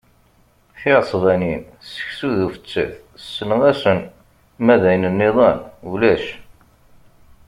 Tiɛesbanin, seksu d ufettet ssneɣ-asen, ma d ayen nniḍen ulac.